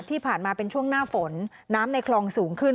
ที่ผ่านมาเป็นช่วงหน้าฝนน้ำในคลองสูงขึ้น